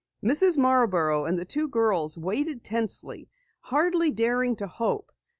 Mrs. Marborough and the two girls waited tensely, hardly daring to hope.